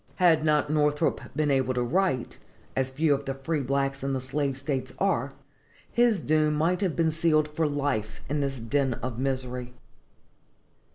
Had not Northrop been able to write, as few of the free blacks in the slave states are, his doom might have been sealed for life in this den of misery.